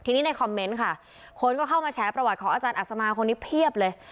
ทีนี้ในคอมเมนต์ค่ะคนก็เข้ามาแฉประวัติของอาจารย์อัศมาคนนี้เพียบเลย